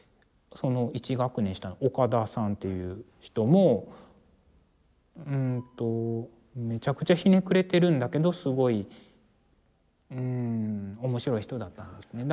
１学年下の岡田さんっていう人もめちゃくちゃひねくれてるんだけどすごい面白い人だったんですね。